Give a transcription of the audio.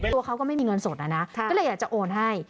ตัวเขาก็ไม่มีเงินสดนะนะก็เลยอยากจะโอนให้